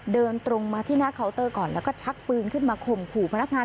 เดินตรงมาที่หน้าเคาน์เตอร์ก่อนแล้วก็ชักปืนขึ้นมาข่มขู่พนักงาน